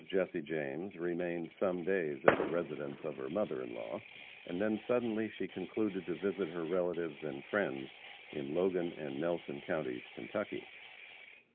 Jesse James remained some days at the residence of her mother in law, and then suddenly she concluded to visit her relatives and friends in Logan and Nelson Counties, Kentucky.